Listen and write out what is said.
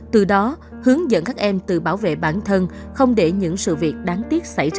từ đó hướng dẫn các em tự bảo vệ bản thân không để những sự việc đáng tiếc xảy ra